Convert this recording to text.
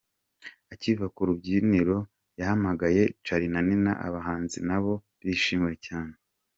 Akiva ku rubyiniro yahamagaye Charly na Nina abahanzi na bo bishimiwe cyane.